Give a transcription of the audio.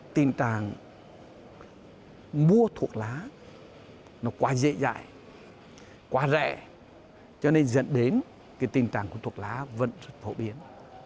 tình trạng mua thuốc lá nó quá dễ dãi quá rẻ cho nên dẫn đến cái tình trạng của thuốc lá vẫn rất phổ biến